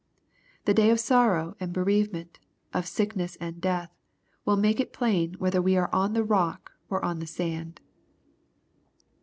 The day of sorrow and bereavement, of sickness and death, will make it plain whether we are on the rock, or on the sand.